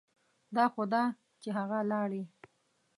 دا خو ده چې هغه لاړې.